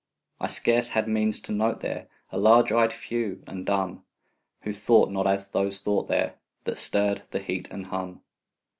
I scarce had means to note there A large eyed few, and dumb, Who thought not as those thought there That stirred the heat and hum.